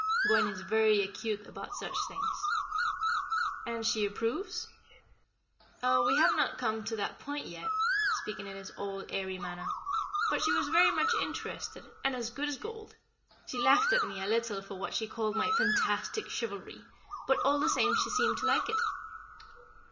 Gwen is very acute about such things." "And she approves?" "Oh, we have not come to that point yet" speaking in his old, airy manner "but she was very much interested, and as good as gold. She laughed at me a little for what she called my fantastic chivalry; but, all the same, she seemed to like it."